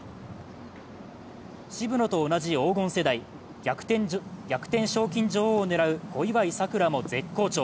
渋野と同じ黄金世代、逆転賞金女王を狙う小祝さくらも絶好調。